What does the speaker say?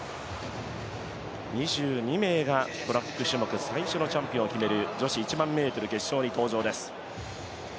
２２名がトラック種目最初のチャンピオンを決める女子１００００ｍ決勝に登場です。